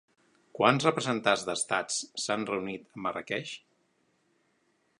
Quants representants d'estats s'han reunit a Marràqueix?